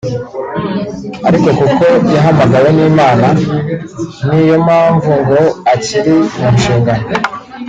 ariko kuko yahamagawe n’Imana niyo mpamvu ngo akiri mu nshingano